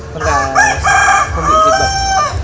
con gà không bị dịch bệnh